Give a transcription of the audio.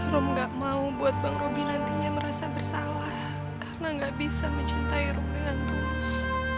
rom gak mau buat bang roby nantinya merasa bersalah karena gak bisa mencintai rom dengan tulus